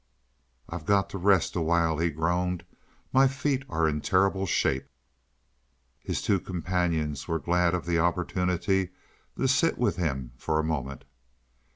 "I've got to rest a while," he groaned. "My feet are in terrible shape." His two companions were glad of the opportunity to sit with him for a moment.